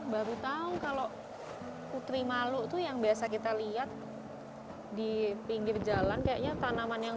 baru tahu kalau putri malu tuh yang biasa kita lihat di pinggir jalan kayaknya tanaman yang